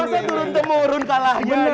masa turun temurun kalahnya gitu loh